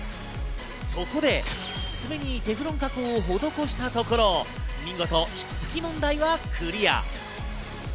そこで、爪にテフロン加工を施したところ、見事、ひっつき問題はクリア。